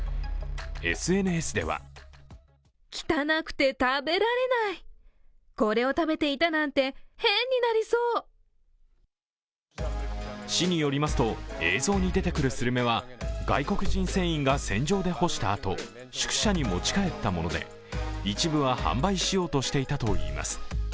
ＳＮＳでは市によりますと映像に出てくるスルメは外国人船員が船上で干したあと宿舎に持ち帰ったもので一部は販売しようとしていたといいます。